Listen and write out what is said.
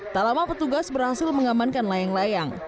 tak lama petugas berhasil mengamankan layang layang